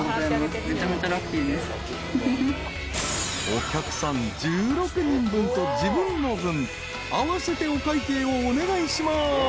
［お客さん１６人分と自分の分合わせてお会計をお願いします］